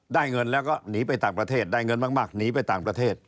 ได้เงินแล้วก็หนีไปต่างประเทศได้เงินมากหนีไปต่างประเทศ